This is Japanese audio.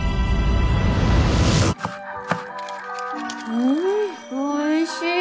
うんおいしい！